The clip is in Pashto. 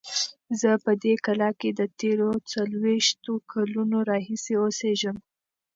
زه په دې کلا کې د تېرو څلوېښتو کلونو راهیسې اوسیږم.